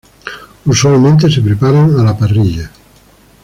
Usualmente se preparan a la parrilla.